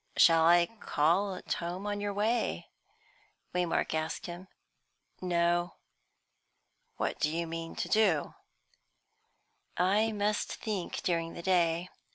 "Shall you call at home on your way?" Waymark asked him. "No." "But what do you mean to do?" "I must think during the day.